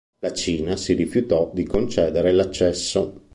La Cina si rifiutò di concedere l'accesso.